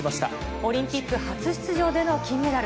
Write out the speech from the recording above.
オリンピック初出場での金メダル。